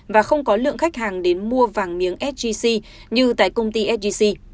và không có lượng khách hàng đến mua vàng miếng sgc như tại công ty sgc